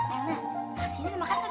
elna nasi ini dimakan gak